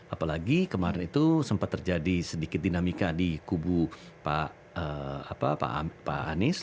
apalagi kemarin itu sempat terjadi sedikit dinamika di kubu pak anies